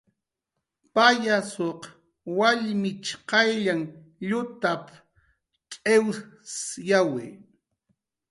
"Payasuq wallmich qayllanh llutap"" cx'iwsyawi"